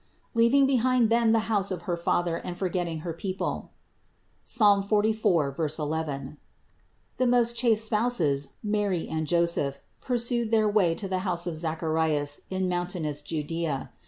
201. Leaving behind then the house of her father and forgetting her people (Ps. 44, 11), the most chaste spouses, Mary and Joseph, pursued their way to the house of Zacharias in mountainous Judea.